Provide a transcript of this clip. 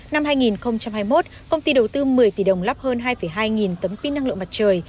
năm hai nghìn hai mươi một công ty đầu tư một mươi tỷ đồng lắp hơn hai hai nghìn tấm pin năng lượng mặt trời